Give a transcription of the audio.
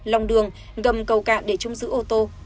lòng đường gầm cầu cạn để trông giữ ô tô